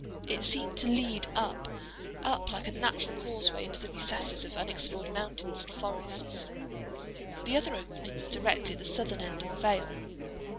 It seemed to lead up, up like a natural causeway, into the recesses of unexplored mountains and forests. The other opening was directly at the southern end of the vale.